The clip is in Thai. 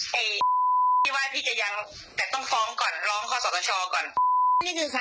ไอ้ที่ว่าพี่จะยังแต่ต้องฟ้องก่อนร้องข้อสตชก่อน